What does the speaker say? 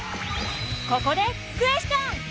ここでクエスチョン！